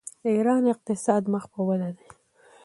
د ایران اقتصاد مخ په وده دی.